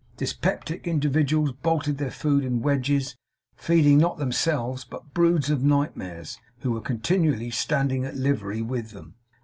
Dyspeptic individuals bolted their food in wedges; feeding, not themselves, but broods of nightmares, who were continually standing at livery within them.